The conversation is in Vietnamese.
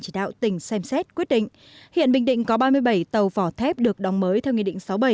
chỉ đạo tỉnh xem xét quyết định hiện bình định có ba mươi bảy tàu vỏ thép được đóng mới theo nghị định sáu bảy